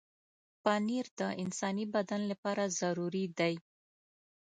پنېر د انساني بدن لپاره ضروري دی.